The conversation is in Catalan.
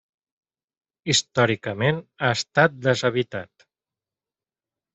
Històricament ha estat deshabitat.